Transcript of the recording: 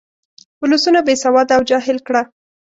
ولسونه بې سواده او جاهل کړه.